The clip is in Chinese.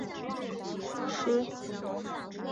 十七世纪后来到的多是葡萄牙人带来的奴隶。